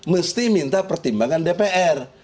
mesti minta pertimbangan dpr